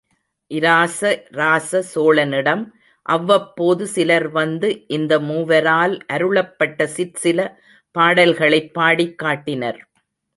இராச ராச சோழனிடம், அவ்வப்போது சிலர் வந்து, இந்த மூவரால் அருளப்பட்ட சிற்சில பாடல்களைப் பாடிக் காட்டினர்.